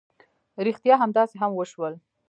ريښتيا همداسې هم وشول.